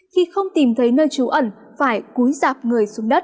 khi không tìm thấy nơi trú ẩn phải cúi dạp người xuống đất